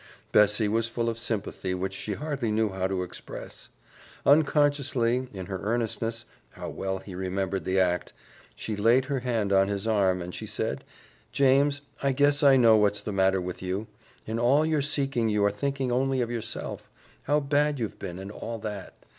Bessie was full of sympathy which she hardly knew how to express. Unconsciously, in her earnestness how well he remembered the act! she laid her hand on his arm as she said, "James, I guess I know what's the matter with you. In all your seeking you are thinking only of yourself how bad you've been and all that.